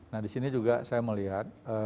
nah di sini juga saya melihat